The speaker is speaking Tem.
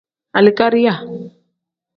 Alikariya.